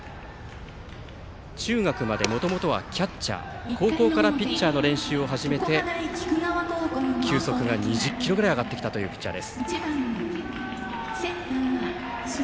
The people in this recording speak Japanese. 中学までもともとはキャッチャー高校からピッチャーの練習を始めて球速が２０キロぐらい上がってきたというピッチャー。